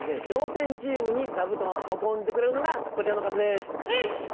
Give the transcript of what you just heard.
笑点チームに座布団を運んでくれるのがこちらの方です。